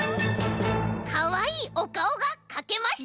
かわいいおかおがかけました！